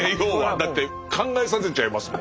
だって考えさせちゃいますもんね。